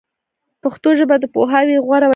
پښتو ژبه د پوهاوي غوره وسیله ده